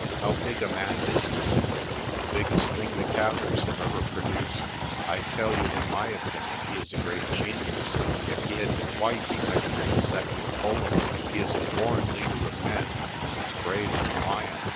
"How big a man is Laputa?' "The biggest thing the Kaffirs have ever produced. I tell you, in my opinion he is a great genius. If he had been white he might have been a second Napoleon. He is a born leader of men, and as brave as a lion.